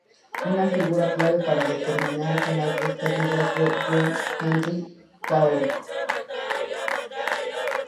Una figura clave para terminar con las listas negras fue John Henry Faulk.